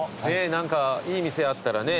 何かいい店あったらね